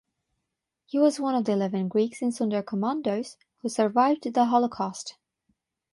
He was one of eleven Greeks in sonderkommandos who survived the holocaust.